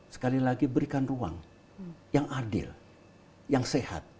sekali lagi berikan ruang yang adil yang sehat